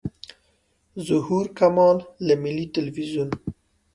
ظهور کمال له ملي تلویزیون.